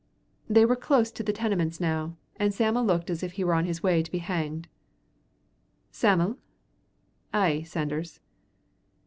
They were close to the Tenements now, and Sam'l looked as if he were on his way to be hanged. "Sam'l?" "Ay, Sanders."